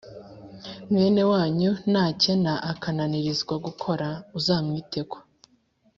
Mwene wanyu nakena akananirizwa gukora, uzamwiteko